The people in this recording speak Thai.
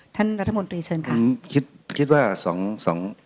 ท่านรัฐมนตรีเชิญค่ะอืมคิดคิดว่าสองสอง